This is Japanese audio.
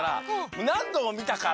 なんどもみたから。